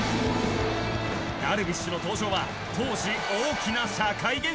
ダルビッシュの登場は当時大きな社会現象になった。